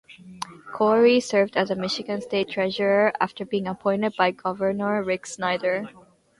Khouri served as Michigan State Treasurer after being appointed by Governor Rick Snyder.